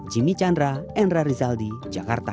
jimmy chandra endra rizaldi jakarta